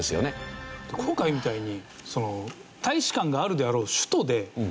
今回みたいに。